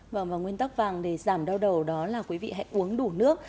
và nguyên tóc vàng để giảm đau đầu đó là quý vị hãy uống đủ nước